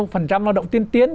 phần trăm lao động tiên tiến